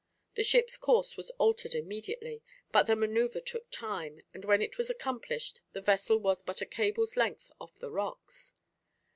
The ship's course was altered immediately; but the manoeuvre took time, and when it was accomplished the vessel was but a cable's length off the rocks.